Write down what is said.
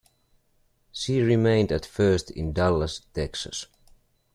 She remained at first in Dallas, Texas.